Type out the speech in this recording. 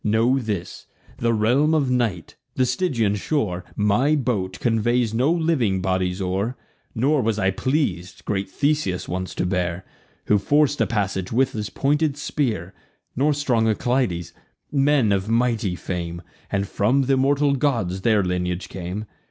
Know this, the realm of night; the Stygian shore: My boat conveys no living bodies o'er; Nor was I pleas'd great Theseus once to bear, Who forc'd a passage with his pointed spear, Nor strong Alcides, men of mighty fame, And from th' immortal gods their lineage came.